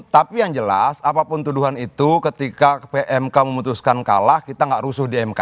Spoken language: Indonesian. tapi yang jelas apapun tuduhan itu ketika pmk memutuskan kalah kita tidak rusuh di mk